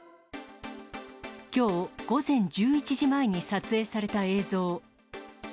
きょう午前１１時前に撮影された映像。